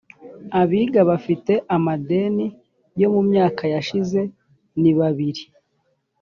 abiga bafite amadeni yo mu myaka yashize ni babiri